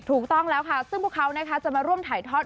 ถูกต้องแล้วค่ะซึ่งพวกเขาจะมาร่วมถ่ายทอด